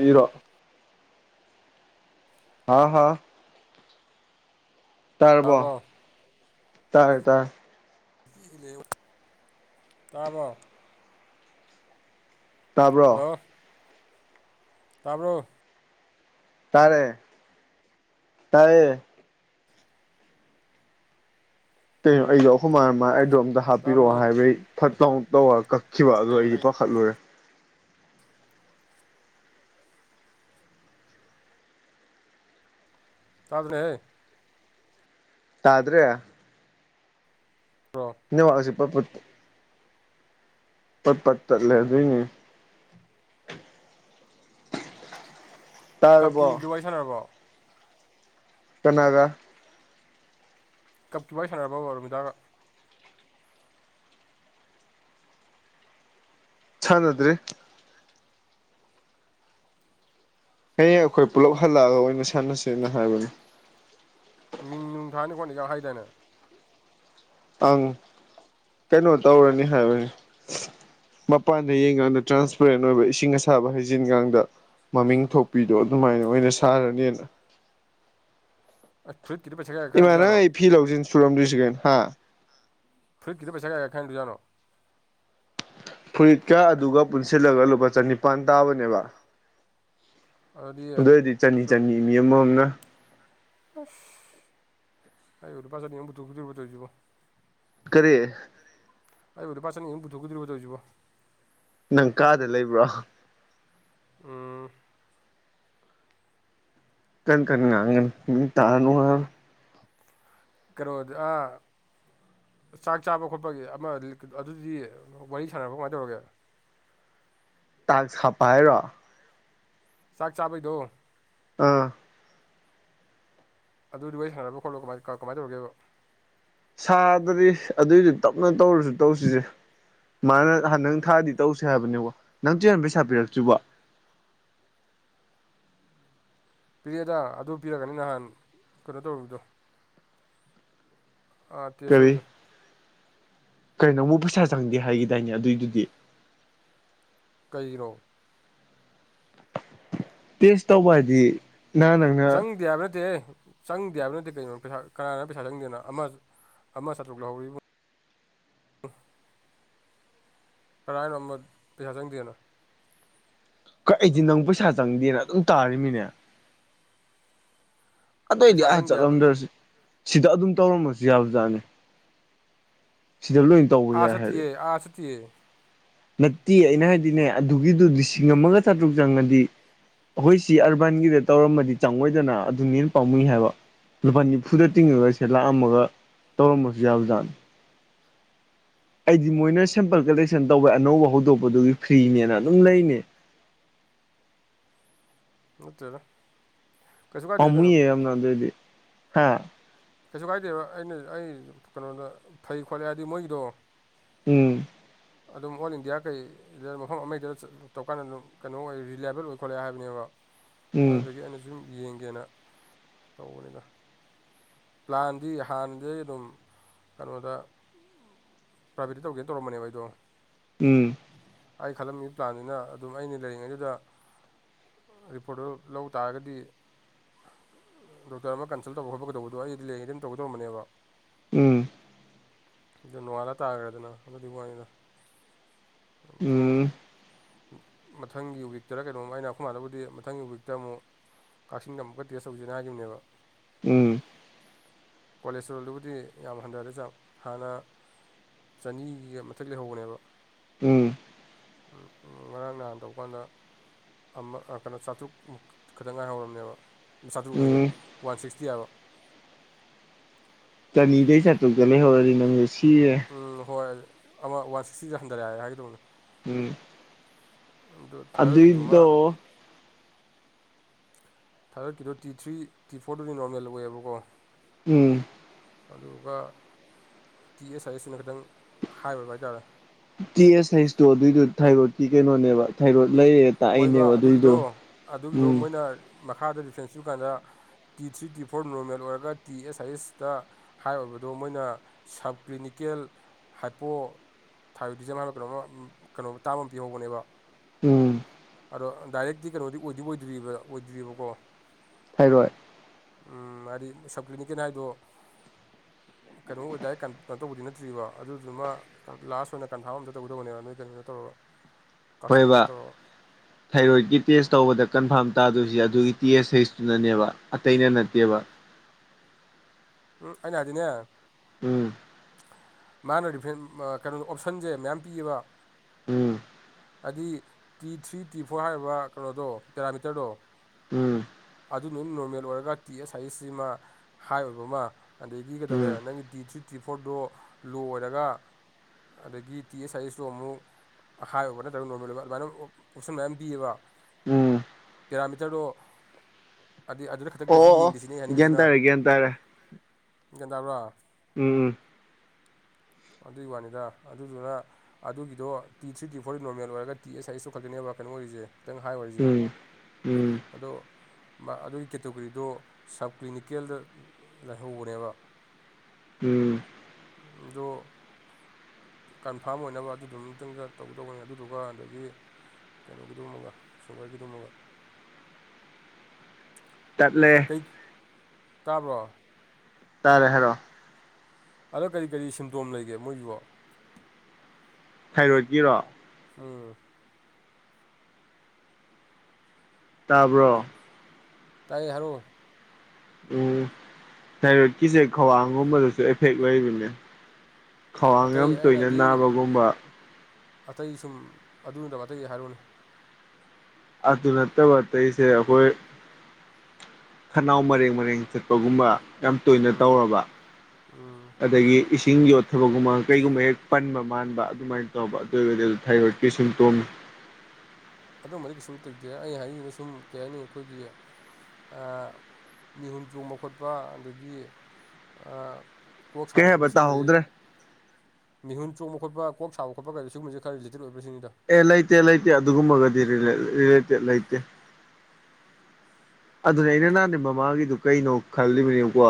ꯏꯔꯣ ꯍꯥꯎ ꯍꯥꯎ ꯇꯥꯔꯔꯕꯣ ꯇꯥꯔꯕꯣ ꯇꯔ ꯇꯔ ꯇꯥꯕ ꯇꯥꯕ꯭ꯔꯣ ꯇꯥꯔꯕꯣ ꯇꯥꯔꯦ ꯇꯔꯦ ꯀꯩꯅꯣ ꯑꯩꯗꯣ ꯑꯈꯣꯢ ꯃꯥꯅ ꯃꯥ ꯑꯥꯢꯗꯣ ꯑꯝꯇ ꯇꯥꯕ꯭ꯔꯣ ꯍꯥꯞꯄꯤꯔꯛꯑꯣ ꯍꯥꯏꯕ ꯑꯩ ꯐꯠꯇꯧ ꯇꯧꯔꯒ ꯈꯤꯕ ꯑꯗꯨꯣ ꯑꯩꯗꯤ ꯄꯥꯈꯠꯂꯨꯔꯦ ꯁꯥꯥꯗꯅꯍꯌꯦ [unintelligible] ꯇꯗ꯭ꯔꯦ ꯄ꯭ꯔꯣ ꯅꯦꯠꯋꯥꯛꯁꯤ ꯄꯠꯄꯠ ꯄ ꯄꯠꯇꯂꯦ ꯑꯗꯨꯏꯅꯤ ꯀꯞꯀꯤ ꯇꯥꯔꯕꯣ ꯗꯨꯋꯥꯏ ꯁꯥꯟꯅꯔꯕꯣ ꯀꯅꯥꯒꯥ ꯀꯞ ꯀꯨꯥꯏ ꯁꯅꯔꯕꯕ ꯔꯣꯃꯤꯇꯥꯒ ꯆꯥꯟꯗ꯭ꯔꯤ ꯗꯦ [unintelligible] ꯍꯌꯦꯡ ꯑꯩꯈꯣꯏ ꯄꯨꯜꯂꯞ ꯍꯜꯂꯛꯑꯒ ꯑꯣꯏꯅ ꯁꯥꯟꯅꯁꯦꯅ ꯍꯥꯏꯕꯅꯤ ꯃꯤꯡ ꯅꯨꯡ ꯊꯥꯅꯤ ꯈꯣꯠꯅꯤꯒ ꯍꯥꯏꯗꯅ ꯑꯪ ꯀꯩꯅꯣ ꯇꯧꯔꯅꯤ ꯍꯥꯏꯕꯅꯤ ꯃꯄꯥꯟꯗ ꯌꯦꯡꯉꯀꯥꯟꯗ ꯇ꯭ꯔꯥꯟꯁꯄꯦꯔꯦꯟ ꯑꯣꯏꯕ ꯏꯁꯤꯡ ꯑꯁ ꯁꯥꯕ ꯍꯩꯖꯤꯟꯒꯥꯡꯗ ꯃꯃꯤꯡ ꯊꯣꯛꯄꯤꯗꯣ ꯑꯗꯨꯃꯥꯏꯅ ꯑꯣꯏꯅ ꯁꯥꯔꯅꯦꯅ ꯑꯦ ꯐꯨꯔꯤꯠ ꯀꯇ ꯄꯩꯁꯥꯒ ꯈꯔꯗꯨꯖꯥꯅꯣ ꯐꯤꯜꯥꯎꯁꯤꯟ ꯁꯨꯔꯝꯗ꯭ꯣꯏꯁꯤꯒꯟ ꯍꯥ ꯊꯨꯔꯤ ꯀ ꯄꯩꯁꯥꯒꯦ ꯑꯦꯈꯩꯅꯦꯟꯖꯅ [unintelligible] ꯐꯨꯔꯤꯠꯀ ꯑꯗꯨꯒ ꯄꯨꯟꯁꯤꯜꯂꯒ ꯂꯨꯄꯥ ꯆꯅꯤꯄꯥꯟ ꯇꯥꯕꯅꯦꯕ ꯑꯗꯨꯗꯤ ꯑꯗꯨ ꯑꯣꯏꯔꯗꯤ ꯆꯅꯤ ꯆꯟꯅꯤ ꯃꯤ ꯑꯃꯃꯝꯅ ꯑꯩ ꯑꯣꯏꯗꯨ ꯄꯖꯅꯤ ꯇꯔꯒꯨꯇꯔꯕꯇꯔꯖ ꯀꯔꯤ ꯑꯩ ꯑꯣꯏ ꯄ ꯆꯦꯅ ꯌꯦꯨꯝ ꯄꯨꯊꯣꯛꯀꯗꯔꯤꯕ ꯇ ꯑꯣꯏꯖꯤꯕ ꯅꯪ ꯀꯥꯗ ꯂꯩꯕ꯭ꯔꯥ ꯎ ꯀꯩꯅ ꯀ ꯌꯥꯒ ꯇꯥꯅꯅꯨꯡ ꯀꯣꯗꯤ ꯑ ꯆꯥꯛ ꯆꯥꯕ ꯈꯣꯠꯄꯒꯤ ꯑꯃ ꯑꯗꯨꯗꯤ ꯋꯥꯔꯤ ꯁꯥꯟꯅꯕ ꯀꯃꯥꯏꯅ ꯇꯧꯔꯒꯦ ꯇꯥꯛ ꯁꯥꯄ ꯍꯥꯏꯔꯣ ꯆꯥꯛ ꯆꯥꯕꯩꯗꯣ ꯑꯥ ꯑꯗꯨꯗꯨ ꯋꯥꯔꯤ ꯁꯥꯟꯅꯕ ꯈꯣꯠꯂꯣ ꯀꯃꯥꯏ ꯀꯃꯥꯏ ꯇꯧꯔꯒꯦꯕ ꯁꯥꯗ꯭ꯔꯗꯤ ꯑꯗꯨꯏꯗꯤ ꯇꯞꯅ ꯇꯧꯔꯁꯨ ꯇꯧꯁꯤꯁꯦ ꯃꯥꯅ ꯅꯪ ꯊꯥꯗꯤ ꯇꯧꯁꯦ ꯍꯥꯏꯕꯅꯦꯕꯣ ꯅꯪ ꯆꯦ ꯄꯩꯁꯥ ꯄꯤꯔꯛꯇ꯭ꯕ ꯄꯤꯔꯛꯑꯦꯗ ꯑꯗꯨ ꯄꯤꯔꯛꯒꯅꯤ ꯅꯍꯥꯟ ꯀꯩꯅꯣ ꯇꯧꯔꯤꯕꯗꯣ ꯑꯥ ꯇꯤꯁ ꯇꯧꯔꯨꯏꯗꯣ ꯀꯔꯤꯅꯣ ꯑꯃꯨꯛ ꯄꯩꯁꯥ ꯆꯪꯗꯦ ꯍꯥꯏꯈꯤꯗꯥꯏꯅꯦ ꯑꯗꯨꯏꯗꯨꯗꯤ ꯀꯩꯩꯅꯣ ꯇꯦꯁ ꯇꯧꯕ ꯍꯥꯏꯗꯤ ꯅꯪ ꯅꯪ ꯆꯪꯗꯦ ꯌꯥꯕ ꯅꯠꯇꯦ ꯆꯪꯗꯦ ꯍꯥꯏꯕ ꯅꯠꯇꯦ ꯀꯔꯤꯅꯣ ꯄꯩꯁꯥ ꯀꯅꯥꯅ ꯄꯩꯁꯥ ꯆꯪꯗꯦꯅ ꯑꯃ ꯑꯃ ꯆꯥꯇ꯭ꯔꯨꯛ ꯂꯧꯍꯧꯔꯤꯕꯅ ꯎ ꯀꯔꯥꯏꯅꯣꯃ ꯄꯩꯁꯥ ꯆꯪꯗꯦꯅꯣ ꯀ ꯑꯩꯁꯦ ꯅꯪ ꯄꯩꯁꯥ ꯆꯪꯗꯦꯅ ꯑꯗꯨꯝ ꯇꯥꯔꯤꯃꯤꯅꯦ ꯑꯗꯨꯑꯣꯏꯗꯤ ꯄꯩꯁꯥ ꯑ ꯆꯪꯗꯦ ꯍꯥꯏꯕ ꯆꯠꯂꯝꯗ꯭ꯔꯁꯤ ꯁꯤꯗ ꯑꯗꯨꯝ ꯇꯧꯔꯝꯃꯁꯨ ꯌꯥꯕꯖꯥꯠꯅꯤ ꯁꯤꯗ ꯂꯣꯏ ꯇꯧꯕ ꯑ ꯌꯥꯏ ꯍꯥꯏꯔꯦ ꯁꯇꯦ ꯑ ꯁꯇꯦ ꯅꯠꯇꯦ ꯑꯩꯅ ꯍꯥꯏꯗꯤꯅꯦ ꯑꯗꯨꯒꯤꯗꯨ ꯂꯤꯁꯤꯡ ꯑꯃꯒ ꯆꯥꯇ꯭ꯔꯨꯛ ꯆꯪꯉꯗꯤ ꯑꯩꯈꯣꯏ ꯁꯤ ꯑꯔꯕꯥꯟꯒꯤꯗ ꯇꯧꯔꯝꯃꯗꯤ ꯆꯪꯉꯣꯏꯗꯅ ꯑꯗꯨꯅꯦ ꯍꯅ ꯄꯥꯝꯃꯨꯏ ꯍꯥꯏꯕ ꯂꯨꯄꯥ ꯅꯤꯐꯨꯗ ꯇꯤꯡꯉꯒ ꯁꯤ ꯂꯥꯛꯑꯝꯃꯒ ꯇꯧꯔꯝꯃꯁꯨ ꯌꯥꯕ ꯖꯥꯠꯅꯤ ꯑꯩꯗꯤ ꯃꯣꯏꯅ ꯁꯦꯝꯄꯜ ꯀꯂꯦꯛꯁꯟ ꯇꯧꯕꯩ ꯑꯅꯧꯕ ꯍꯧꯗꯣꯛꯄꯗꯨꯒꯤ ꯐ꯭ꯔꯤꯅꯦꯅ ꯑꯗꯨꯝ ꯂꯩꯅꯦ ꯅꯠꯇꯗ ꯄꯥꯃꯨꯏ ꯌꯥꯝ ꯑꯗꯗꯤ ꯍꯥ ꯀꯩꯁꯨ ꯀꯥꯏꯗꯦꯕ ꯑꯩꯅ ꯑꯩ ꯀꯩꯅꯣꯗ ꯐꯩ ꯈꯣꯠꯂꯦ ꯍꯥꯏꯗꯤ ꯃꯣꯏꯒꯤꯗꯣ ꯎꯝ ꯑꯗꯨꯝ ꯑꯣꯜ ꯏꯟꯗꯤꯌꯥ ꯀꯩ ꯗ ꯃꯐꯝ ꯑꯃꯗꯨꯗ ꯇꯧꯔꯀꯥꯟꯗ ꯑꯗꯨꯝ ꯀꯩꯅꯣ ꯑꯣꯏ ꯔꯤꯂꯥꯏꯕꯜ ꯑꯣꯏ ꯈꯣꯠꯂꯦ ꯍꯥꯏꯕꯅꯦꯕ ꯎꯝ ꯑꯗꯨꯗꯒꯤ ꯑꯩꯅ ꯁꯨꯝ ꯌꯦꯡꯒꯦꯅ ꯇꯧꯕꯅꯤꯗ ꯄ꯭ꯂꯥꯟꯗꯤ ꯍꯥꯟꯅꯗꯩꯩ ꯑꯗꯨꯝ ꯀꯩꯅꯣꯗ ꯄ꯭ꯔꯥꯏꯚꯦꯠꯇ ꯇꯧꯒꯦ ꯇꯔꯝꯕꯅꯦꯕ ꯑꯣ ꯎꯝ ꯑꯩ ꯈꯜꯂꯝꯃꯤꯕ ꯄ꯭ꯂꯥꯟꯗꯨꯅ ꯑꯗꯨꯝ ꯑꯩꯅ ꯂꯩꯔꯤꯉꯩꯗꯨꯗ ꯔꯤꯄꯣꯔꯠꯇꯨ ꯂꯧ ꯇꯥꯔꯒꯗꯤ ꯗꯣꯛꯇꯔ ꯑꯃ ꯀꯟꯁꯜ ꯇꯧꯕ ꯈꯣꯠꯄꯒꯗꯧꯕꯗꯣ ꯑꯩꯗꯤ ꯂꯦꯡꯉꯦ ꯑꯗꯨꯝ ꯇꯧꯒꯗꯧꯔꯝꯕꯅꯦꯕ ꯎꯝ ꯑꯗꯨ ꯅꯣꯡꯉꯥꯂ ꯇꯥꯈ꯭ꯔꯦꯗꯅ ꯑꯗꯨꯗꯤ ꯋꯥꯅꯤꯗ ꯑꯗꯨ ꯎꯝ ꯃꯊꯪꯒꯤ ꯋꯤꯛꯇꯔ ꯀꯩꯅꯣꯝꯃ ꯑꯩꯅ ꯑꯩꯈꯣꯏ ꯃꯥꯗꯕꯨꯗꯤ ꯃꯊꯪꯒꯤ ꯋꯤꯛꯇ ꯑꯃꯨꯛ ꯀꯛꯆꯤꯡꯗ ꯑꯃꯨꯛꯀ ꯇꯦꯁ ꯇꯧꯁꯤꯅ ꯍꯥꯏꯈꯤꯕꯅꯦꯕ ꯎꯝ ꯀꯣꯂꯦꯁꯇ꯭ꯔꯣꯜꯗꯨꯕꯨꯗꯤ ꯌꯥꯝ ꯍꯟꯊꯔꯦ ꯆꯥꯡ ꯍꯥꯟꯅ ꯆꯅꯤꯒ ꯃꯊꯛ ꯂꯩꯍꯧꯕꯅꯦꯕ ꯎꯝ ꯉꯔꯥꯡ ꯅꯍꯥꯟ ꯇꯧꯕ ꯀꯥꯟꯗ ꯑꯃ ꯀꯩꯅꯣ ꯆꯥꯇ꯭ꯔꯨꯛ ꯈꯇꯪ ꯉꯥꯏꯍꯧꯔꯕꯅꯦꯕ ꯆꯥꯇ꯭ꯔꯨꯛ ꯑꯥꯢꯌꯦ ꯎꯝ ꯋꯥꯟ ꯁꯤꯛꯁꯇꯤ ꯍꯥꯏꯕ ꯆꯅꯤꯗꯩ ꯆꯥꯇ꯭ꯔꯨꯛꯇ ꯂꯩꯍꯧꯔꯗꯤ ꯅꯪꯁꯨ ꯁꯤ ꯎꯝ ꯍꯣꯏ ꯑꯃ ꯋꯥꯟ ꯁꯤꯛꯁꯇꯤꯁꯦ ꯍꯟꯊꯔꯛꯑꯦ ꯍꯥꯏꯒꯦꯗꯧꯕꯅꯦ ꯎꯝ ꯑꯗꯣ ꯊꯥꯏꯔꯣꯏꯗꯀꯤꯗꯨꯃ ꯑꯗꯨꯏꯗꯣ ꯊꯥꯏꯔꯣꯏꯗꯀꯤꯗꯣ ꯇꯤ ꯊ꯭ꯔꯤ ꯇꯤ ꯐꯣꯔꯗꯨꯗꯤ ꯅꯣꯔꯃꯦꯜ ꯑꯣꯏꯌꯦꯕꯀꯣ ꯎꯝ ꯑꯗꯨꯒ ꯇꯤ ꯑꯦꯁ ꯑꯥꯏ ꯑꯦꯁꯅ ꯈꯤꯇꯪ ꯍꯥꯏꯕ ꯍꯥꯏꯇꯥꯔꯦ ꯇꯤ ꯑꯦꯁ ꯍꯩꯁꯇꯣ ꯑꯗꯨꯏꯗꯨꯣ ꯊꯥꯏꯔꯣꯏꯗꯀꯤ ꯀꯩꯅꯣꯅꯦꯕ ꯊꯥꯏꯔꯣꯏꯗ ꯂꯩꯔꯦ ꯍꯣꯏꯕ ꯇꯥꯛꯏꯅꯦꯕ ꯑꯗꯨꯒꯤꯗꯣ ꯑꯗꯨꯏꯗꯣ ꯑꯗꯨꯒꯤꯗꯣ ꯎꯝ ꯃꯣꯏꯅ ꯃꯈꯥꯗ ꯔꯤꯐꯔꯦꯟꯁ ꯄꯤꯌꯨ ꯀꯥꯏꯗ T three T four normal ꯑꯣꯏꯔꯒ ꯇꯤ ꯑꯦꯁ ꯑꯩꯆꯇ ꯍꯥꯏꯔꯣꯕꯗꯣ ꯃꯣꯏꯅ ꯁꯕ ꯀ꯭ꯂꯤꯅꯤꯀꯦꯜ ꯍꯥꯏꯄꯣ ꯊꯥꯏꯌꯣꯗꯤꯖꯝ ꯍꯥꯏꯅ ꯀꯩꯅꯣꯝꯃ ꯀꯩꯅꯣꯝ ꯇꯥꯕ ꯑꯝꯇꯤꯍꯧꯕꯅꯦꯕ ꯎꯝ ꯑꯗꯣ ꯗꯥꯏꯔꯦꯛꯇꯤ ꯀꯩꯅꯣꯗꯤ ꯑꯣꯏꯗꯤ ꯑꯣꯏꯗ꯭ꯔꯤꯕ ꯑꯣꯏꯗ꯭ꯔꯤꯕꯀꯣ ꯊꯥꯏꯔꯣꯏꯗ ꯎꯝ ꯍꯥꯏꯗꯤ ꯁꯞꯀ꯭ꯂꯤꯅꯤꯛꯀꯤꯅ ꯍꯥꯏꯗꯣ ꯀꯩꯅꯣ ꯑꯣꯏꯗꯥꯏ ꯀꯩꯅꯣ ꯇꯧꯕꯗꯤ ꯅꯠꯇ꯭ꯔꯤꯕ ꯑꯗꯨꯗꯨꯃ ꯂꯥꯁ ꯑꯣꯏꯅ ꯀꯟꯐꯥꯔꯝ ꯑꯝꯇ ꯇꯧꯒꯗꯧꯕꯅꯦꯕ ꯅꯣꯏ ꯀꯩꯅꯣꯗ ꯇꯧꯔꯒ ꯀꯛꯆꯤꯡꯒꯤꯗꯨꯗ ꯍꯣꯏꯕ ꯇꯧꯔꯒ ꯊꯥꯏꯔꯣꯏꯗꯀꯤ ꯇꯦꯁ ꯇꯧꯕꯗ ꯀꯟꯐꯥꯔꯝ ꯇꯥꯗꯣꯏꯁꯦ ꯑꯗꯨꯒꯤ ꯇꯦꯁ ꯍꯩꯁꯇꯨꯅꯅꯦꯕ ꯑꯇꯩꯅ ꯅꯠꯇꯦꯕ ꯎꯝ ꯑꯩꯅ ꯍꯥꯏꯗꯤꯅꯦ ꯎꯝ ꯃꯥꯅ ꯔꯤꯐꯟ ꯀꯩꯅꯣ ꯑꯣꯞꯁꯟꯁꯦ ꯃꯌꯥꯝ ꯄꯤꯌꯦꯕ ꯎꯝ ꯍꯥꯏꯗꯤ ꯇꯤ ꯊ꯭ꯔꯤ ꯇꯤ ꯐꯣꯔ ꯍꯥꯏꯔꯤꯕ ꯀꯩꯅꯣꯗꯣ ꯄꯦꯔꯥꯃꯤꯇꯔꯗꯣ ꯎꯝ ꯑꯗꯨ ꯅꯣꯏꯅ ꯅꯣꯔꯃꯦꯜ ꯑꯣꯏꯔꯒ ꯇꯤ ꯑꯦꯁ ꯁꯥꯏꯁꯁꯤꯃ ꯍꯥꯏ ꯑꯣꯏꯕ ꯑꯃ ꯑꯗꯒꯤ ꯀꯩꯗꯧꯔꯦ ꯎꯝ ꯅꯪꯒꯤ ꯇꯤ ꯊ꯭ꯔꯤ ꯇꯤ ꯐꯣꯔꯗꯣ ꯂꯣ ꯑꯣꯏꯔꯒ ꯑꯗꯒꯤ ꯇꯤ ꯑꯩꯆꯁ ꯑꯥꯏ ꯑꯦꯁꯇꯣ ꯑꯃꯨꯛ ꯑ ꯍꯥꯏꯕ ꯅꯠꯇ꯭ꯔꯒ ꯅꯣꯔꯃꯦꯜ ꯑꯣꯏꯕ ꯑꯗꯨꯃꯥꯏꯅ ꯄꯣꯞꯁꯟ ꯃꯌꯥꯝ ꯄꯤꯌꯦꯕ ꯎꯝ ꯄꯦꯔꯥꯃꯤꯇꯔꯗꯣ ꯑꯗꯨꯗꯤ ꯑꯗꯨꯗ ꯈꯛꯇꯪ ꯑꯣ ꯀꯩꯁꯨ ꯑꯣ ꯌꯦꯡꯗꯦ ꯁꯤꯅꯦ ꯑꯩ ꯒꯌꯥꯟ ꯇꯥꯔꯦ ꯒꯌꯥꯟ ꯇꯥꯔꯦ ꯒꯟꯗꯥꯕ꯭ꯔꯣ ꯎꯝ ꯎꯝ ꯑꯗꯨꯏ ꯋꯥꯅꯤꯗ ꯑꯗꯨꯗꯨꯅ ꯑꯗꯨꯒꯤꯗꯣ T three T four normal ꯑꯣꯏꯒ ꯇꯤ ꯑꯦꯁ ꯁꯥꯏꯖꯇꯁꯨ ꯈꯛꯇꯅꯦꯕ ꯀꯩꯅꯣ ꯑꯣꯏꯔꯤꯁꯦ ꯈꯤꯇꯪ ꯍꯥꯏ ꯑꯣꯏꯔꯤꯁꯦ ꯎꯝ ꯎꯝ ꯑꯗꯣ ꯑꯗꯨꯒꯤ ꯀꯦꯇꯒꯣꯔꯤꯗꯣ ꯁꯕ ꯀ꯭ꯂꯤꯅꯤꯀꯦꯜꯗ ꯂꯩꯍꯧꯕꯅꯦꯕ ꯎꯝ ꯗꯣ ꯀꯟꯐꯥꯔꯝ ꯑꯣꯏꯅꯕ ꯑꯗꯨꯗꯨꯃꯇꯪꯒ ꯇꯧꯒꯗꯧꯧꯕꯅꯤ ꯑꯗꯨꯗꯨꯒ ꯑꯗꯒꯤ ꯀꯩꯅꯣꯒꯤꯗꯨꯃꯒ ꯁꯣꯕꯋꯦꯔꯒꯤꯗꯨꯃꯒ ꯆꯠꯂꯦ ꯑꯩꯗ ꯇꯥꯕ꯭ꯔꯣ ꯇꯥꯔꯦ ꯍꯥꯏꯔꯛꯑꯣ ꯑꯗꯣ ꯀꯔꯤ ꯀꯔꯤ ꯁꯤꯝꯇꯣꯝ ꯂꯩꯒꯦ ꯃꯣꯏꯒꯤꯕꯣ ꯊꯥꯏꯔꯣꯏꯗꯀꯤꯔꯣ ꯎꯝ ꯇꯥꯕ꯭ꯔꯣ ꯇꯥꯏꯌꯦ ꯍꯥꯏꯔꯣ ꯎꯝ ꯊꯥꯏꯔꯣꯏꯠꯀꯤꯁꯦ ꯈꯋꯥꯡꯒꯨꯝꯕꯗꯁꯨ ꯑꯦꯐꯦꯛ ꯂꯩꯕꯅꯦ ꯈꯋꯥꯡ ꯑꯇꯩ ꯌꯥꯝ ꯇꯣꯏꯅ ꯑꯩꯅꯗꯤ ꯅꯥꯕꯒꯨꯝꯕ ꯑꯇꯩ ꯁꯨꯝ ꯑꯗꯨꯅꯠꯇꯕ ꯑꯇꯩ ꯍꯥꯏꯔꯛꯎꯅꯦ ꯑꯗꯨ ꯅꯠꯇꯕ ꯑꯇꯩꯁꯦ ꯑꯩꯈꯣꯏ ꯈꯅꯥꯎ ꯃꯔꯦꯡ ꯃꯔꯦꯡ ꯆꯠꯄꯒꯨꯝꯕ ꯌꯥꯝ ꯇꯣꯏꯅ ꯎꯝ ꯇꯧꯔꯕ ꯎꯝ ꯑꯗꯒꯤ ꯏꯁꯤꯡ ꯌꯣꯠꯊꯕꯒꯨꯝꯕ ꯀꯩꯒꯨꯝꯕ ꯍꯦꯛ ꯄꯟꯕ ꯃꯥꯟꯕ ꯑꯗꯨꯃꯥꯏꯅ ꯇꯧꯕ ꯑꯗꯣꯏꯒꯗꯤ ꯊꯥꯏꯔꯣꯏꯗ ꯀꯤ ꯁꯤꯟꯇꯣꯝꯅꯤ ꯑꯗꯨꯝꯕꯗꯤ ꯀꯩ ꯁꯨꯝ ꯇꯩꯇꯦ ꯑꯩ ꯍꯥꯏꯅꯤꯡꯉꯤꯅ ꯁꯨꯝ ꯀꯩ ꯍꯥꯏꯅꯤ ꯑꯩꯈꯣꯏꯒꯤ ꯑ ꯃꯤꯍꯨꯟ ꯆꯣꯡꯕ ꯈꯣꯠꯄ ꯑ ꯑꯗꯒꯤ ꯀꯣꯛ ꯀꯩ ꯁꯥꯕ ꯈꯣꯠꯄ ꯍꯥꯏꯕ ꯁꯤꯒꯨꯝꯕꯁꯤ ꯇꯥꯍꯧꯗ꯭ꯔꯦ ꯃꯤꯍꯨꯟꯣꯡꯕꯣꯠꯄ ꯀꯣꯛ ꯁꯥꯕ ꯈꯣꯠꯄ ꯀꯗꯣꯒꯨꯝꯕꯁ ꯈꯔ ꯂꯇꯦ ꯑꯣꯏꯕꯁꯤꯡꯅꯤꯗ ꯑꯦ ꯂꯩꯇꯦ ꯂꯩꯇꯦ ꯑꯗꯨꯒꯨꯝꯕꯒꯗꯤꯔꯤꯇꯦ ꯂꯩꯇꯦ [unintelligible] ꯑꯗꯨꯅꯦ ꯑꯩꯅ ꯅꯍꯥꯟ ꯃꯃꯥꯒꯤꯗꯨ ꯀꯩꯅꯣ ꯈꯜꯂꯤꯕꯅꯦꯕꯀꯣ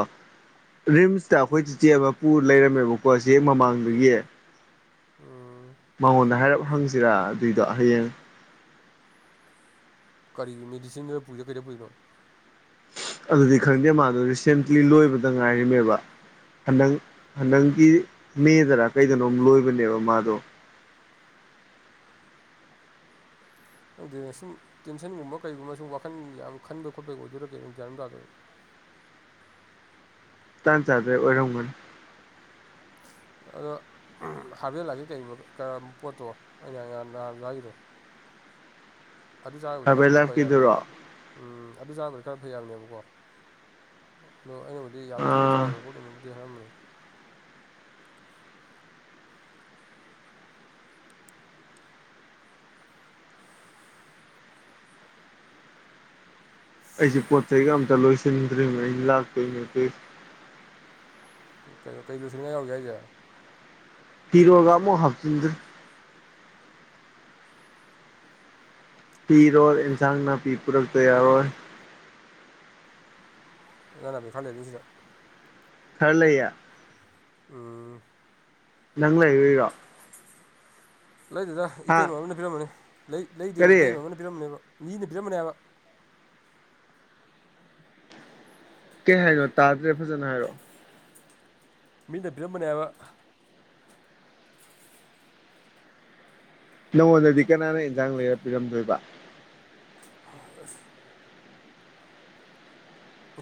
ꯔꯤꯝꯁꯇ ꯑꯩꯈꯣꯏ ꯆꯤꯆꯦ ꯑꯃ ꯄꯨ ꯂꯩꯔꯝꯃꯦꯕꯀꯣ ꯁꯤ ꯃꯃꯥꯡꯗꯒꯤ ꯎꯝ ꯃꯉꯣꯟꯗ ꯍꯥꯏꯔꯞ ꯍꯪꯁꯤꯔꯥ ꯑꯗꯨꯏꯗꯣ ꯍꯌꯦꯡ ꯀꯔꯤ ꯃꯦꯗꯤꯁꯤꯟꯗ ꯄꯨꯏꯔꯣ ꯀꯩꯗ ꯄꯨꯏꯅꯣ ꯑꯗꯨꯗꯤ ꯈꯪꯗꯦ ꯃꯥꯗꯣ ꯔꯤꯁꯦꯟꯠꯂꯤ ꯂꯣꯏꯕꯗ ꯉꯥꯏꯔꯤꯃꯦꯕ ꯍꯟꯗꯪ ꯍꯟꯗꯪꯒꯤ ꯃꯦꯗꯔ ꯀꯩꯗꯅꯣꯝ ꯂꯣꯏꯕꯅꯦꯕ ꯃꯥꯗꯣ ꯈꯪꯗꯦꯅ ꯁꯨꯝ ꯇꯦꯟꯁꯟꯒꯨꯝꯕ ꯀꯩꯒꯨꯝꯕ ꯁꯨꯝ ꯋꯥꯈꯜ ꯌꯥꯝ ꯈꯟꯕ ꯈꯣꯠꯄꯒꯤ ꯑꯣꯏꯗꯔꯥ ꯀꯩꯅ ꯅꯨꯡꯔꯝꯗꯥꯥꯗꯕ ꯍ ꯇꯥꯟ ꯆꯥꯗ꯭ꯔꯦ ꯑꯣꯏꯔꯝꯒꯅꯤ ꯑꯗꯣ ꯍꯥꯔꯖꯦꯜꯂꯥꯛꯀꯦ ꯀ ꯄꯣꯠꯇꯣ ꯑꯩꯅꯥꯟ ꯅꯍꯥꯟꯒꯤꯗꯣ ꯑꯗꯨ ꯆꯥꯕꯨꯗꯤ ꯍꯥꯔꯕꯩ ꯈꯔꯕꯨꯗꯤ ꯐꯩ ꯍꯥꯏꯕꯅꯦ ꯂꯥꯏꯐꯀꯤꯗꯨꯔꯣ ꯎꯝ ꯑꯗꯨ ꯆꯥꯕꯗꯤ ꯈꯔ ꯐꯩ ꯌꯥꯕꯅꯦꯕꯀꯣ ꯑꯗꯣ ꯑꯩꯅ ꯑꯗꯨꯗꯤ ꯌꯥꯝ ꯇꯣꯏꯅ ꯑꯥ ꯆꯥꯝꯅꯤ ꯈꯣꯠꯂꯨꯅꯕꯨꯗꯤ ꯍꯥꯏꯔꯝꯃꯅꯤ ꯑꯩꯁꯦ ꯄꯣꯠ ꯆꯩꯒ ꯑꯝꯇ ꯂꯣꯏꯁꯤꯟꯗ꯭ꯔꯤꯕꯅꯦ ꯑꯩꯅ ꯂꯥꯛꯇꯣꯏ ꯅ ꯀ ꯀꯩꯅꯣ ꯀꯔꯤ ꯂꯣꯏꯁꯤꯅꯤꯡꯉꯥꯏ ꯌꯥꯎꯒꯦ ꯍꯥꯏꯁꯦ ꯇꯤꯔꯣꯒ ꯃꯣ ꯍꯥꯞꯆꯤꯟꯗ꯭ꯔ ꯄꯤꯔꯣ ꯏꯟꯁꯥꯡ ꯅꯥꯄꯤ ꯄꯨꯔꯛꯇ ꯌꯥꯔꯣꯏ ꯥꯟꯃꯦ ꯈꯜ ꯂꯩꯦ ꯅ ꯃꯤ ꯁꯤꯦꯗꯥꯎ ꯈꯔ ꯂꯩ ꯎꯝ ꯅꯪ ꯂꯩꯔꯔꯣ ꯂꯩꯗꯨꯗ ꯍꯥ ꯏꯇꯩꯃꯥ ꯑꯃꯅ ꯄꯤꯔꯝꯃꯅꯤ ꯂꯩꯇꯦꯕ ꯀꯔꯤ ꯏꯇꯩ ꯃꯃ ꯑꯃꯅ ꯄꯤꯔꯝꯅꯦꯕ ꯃꯤꯅ ꯄꯤꯔꯝꯕꯅꯦꯕ ꯀꯩ ꯍꯥꯏꯅꯣ ꯇꯥꯗ꯭ꯔꯦ ꯐꯖꯅ ꯍꯥꯏꯔꯛꯑꯣ ꯃꯤꯅ ꯄꯕꯤꯔꯝꯕꯅꯦ ꯍꯥꯏꯕ ꯅꯪꯉꯣꯟꯗꯗꯤ ꯀꯅꯥꯅ ꯏꯟꯖꯥꯡ ꯂꯩꯔ ꯄꯤꯔꯝꯗꯣꯏꯕ ꯑ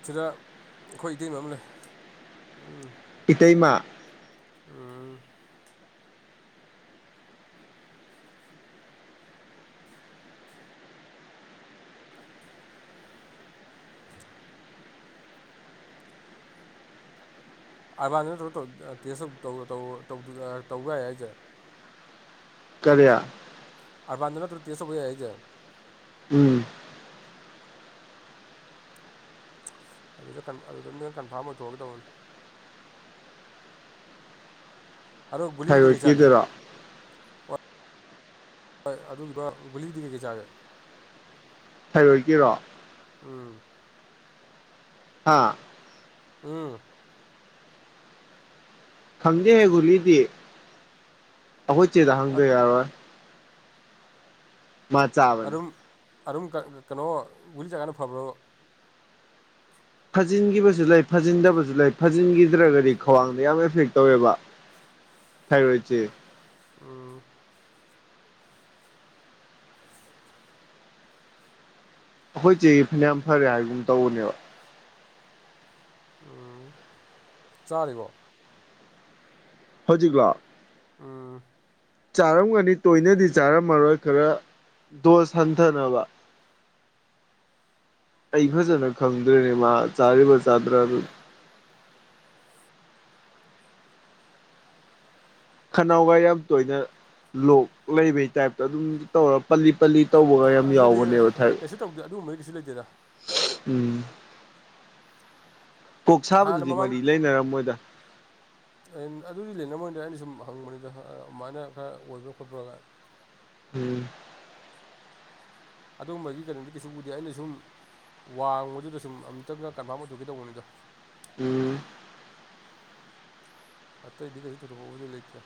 ꯁꯤꯗ ꯑꯩꯈꯣꯏ ꯏꯇꯩꯕ ꯑꯃ ꯂꯩ ꯎꯝ ꯏꯇꯩꯃꯥ ꯎꯝ ꯑꯥꯂꯥꯟ ꯅꯠꯇ꯭ꯔꯣ ꯇꯦꯁꯇ ꯇꯧꯕ ꯌꯥꯏ ꯑꯩꯁꯦ ꯀꯔꯤꯌꯥ ꯑꯔꯕꯗꯅ ꯇ꯭ꯨꯇꯤꯣꯁꯨꯕ ꯌꯥꯦ ꯎꯝ ꯑꯗꯨꯗ ꯑꯗꯨꯗ ꯃꯤꯅ ꯀꯟꯐꯥꯝꯊꯣꯛꯑꯒꯗꯧꯕꯅꯤ ꯑꯣ ꯂꯤꯗꯒꯤꯒꯦꯁꯑꯒꯦ ꯊꯥꯏꯔꯣꯏꯗꯀꯤꯗꯨꯔꯣ ꯑꯣ ꯍꯣꯏ ꯑꯗꯨꯒꯤꯗ ꯒꯨꯂꯤꯗꯤ ꯀꯩꯀꯩ ꯆꯥꯒꯦ ꯁꯩꯔꯣꯏꯀꯤꯔꯣ ꯎꯝ ꯍꯥꯥ ꯎꯝ ꯈꯪꯗꯦꯍꯦ ꯒꯨꯂꯤꯗꯤ ꯑꯩꯈꯣꯏ ꯆꯦꯗ ꯍꯪꯗ ꯌꯥꯔꯣꯏ ꯃꯥ ꯆꯥꯕꯅꯦ ꯑꯗꯨꯝ ꯑꯗꯨꯝ ꯀꯩꯅꯣ ꯒꯨꯂꯤ ꯆꯥꯔꯀꯥꯟ ꯐꯕ꯭ꯔꯕ ꯐꯥꯖꯤꯟꯈꯤꯕꯁꯨ ꯂꯩ ꯐꯥꯖꯤꯟꯗꯕꯁꯨ ꯂꯩ ꯐꯥꯖꯤꯟꯈꯤꯗ꯭ꯔꯒꯗꯤ ꯈ꯭ꯋꯥꯡꯗ ꯌꯥꯝ ꯑꯦꯐꯦꯛ ꯇꯧꯋꯦꯕ ꯊꯥꯏꯔꯣꯏꯠꯁꯦ ꯎꯝ ꯑꯩꯈꯣꯏ ꯆꯦꯒꯤ ꯐꯅꯌꯥꯝ ꯐꯔꯦ ꯍꯥꯏꯕꯒꯨꯝ ꯇꯧꯕꯅꯦꯕ ꯎꯝ ꯆꯥꯔꯤꯕꯣ ꯍꯧꯖꯤꯛꯂꯣ ꯎꯝ ꯆꯥꯔꯝꯒꯅꯤ ꯇꯣꯏꯅꯗꯤ ꯆꯥꯔꯝꯃꯔꯣꯏ ꯈꯔ ꯗꯣꯁ ꯍꯟꯊꯅꯕ ꯑꯩ ꯐꯖꯅ ꯈꯪꯗ꯭ꯔꯦꯅꯦ ꯃꯥ ꯆꯥꯔꯤꯕ ꯆꯥꯗ꯭ꯔꯥ ꯑꯗꯨ ꯈꯅꯥꯎꯒ ꯌꯥꯝ ꯇꯣꯏꯅ ꯂꯣꯛ ꯂꯩꯕꯩ ꯇꯥꯏꯞꯇ ꯑꯗꯨꯝ ꯇꯧꯔ ꯄꯜꯂꯤ ꯄꯜꯂꯤ ꯇꯧꯕꯒ ꯌꯥꯝ ꯑꯗꯨꯗꯤ ꯌꯥꯎꯕꯅꯦꯕ ꯊꯥꯏꯔꯣꯏꯗ ꯀꯩꯁꯨ ꯇꯧꯗꯦ ꯑꯗꯨꯒꯨꯝꯕꯩ ꯀꯩꯁꯨ ꯂꯩꯇꯦꯗ ꯎꯝ ꯀꯣꯛ ꯍꯥꯟꯅ ꯁꯥꯕꯗꯨꯗꯤ ꯃꯃꯥꯡ ꯃꯔꯤ ꯂꯩꯅꯔꯝꯃꯣꯏꯗ ꯑꯗꯨꯗꯤ ꯂꯩꯅꯔꯝꯣꯏꯗ ꯑꯩꯅ ꯁꯨꯝ ꯍꯪꯕꯅꯤꯗ ꯑꯗꯨꯃꯥꯏꯅ ꯈꯔ ꯑꯣꯏꯕ꯭ꯔꯥ ꯈꯣꯠꯄ꯭ꯔꯥꯒ ꯎꯝ ꯑꯗꯨꯒꯝꯕꯒꯤ ꯀꯩꯅꯣꯗꯤ ꯀꯩꯁꯨ ꯎꯗꯦ ꯑꯩꯅ ꯁꯨꯝ ꯋꯥꯡꯕꯗꯨꯗ ꯁꯨꯝ ꯑꯝꯇꯪꯒ ꯀꯟꯐꯥꯔꯝ ꯑꯣꯏꯊꯣꯛꯀꯦ ꯇꯧꯕꯅꯤꯗꯣ ꯎꯝ ꯑꯇꯩꯗꯤ ꯀꯩꯁꯨ ꯊꯣꯏꯗꯣꯛꯄꯕꯨꯗꯤ ꯂꯩꯇꯦ